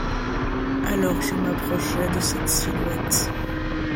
Alors je m’approchai de cette silhouette